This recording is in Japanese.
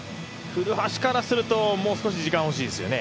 古橋からすると、もう少し時間がほしいですね。